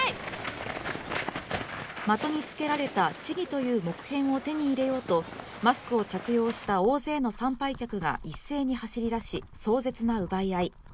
的につけられた千木という木片を手に入れようとマスクを着用した大勢の参拝客が一斉に走り出し、壮絶な奪い合い。